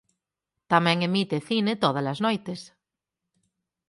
Tamén emite cine tódalas noites.